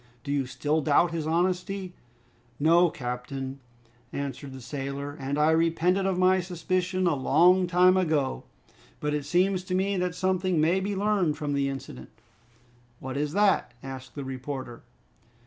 Do you still doubt his honesty?" "No, captain," answered the sailor, "and I repented of my suspicion a long time ago! But it seems to me that something may be learned from the incident." "What is that?" asked the reporter.